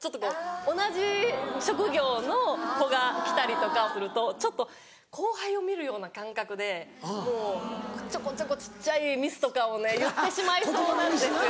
同じ職業の子がきたりとかするとちょっと後輩を見るような感覚でちょこちょこ小っちゃいミスとかをね言ってしまいそうなんですよ。